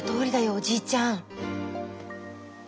おじいちゃん。